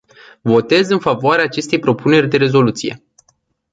Votez în favoarea acestei propuneri de rezoluție.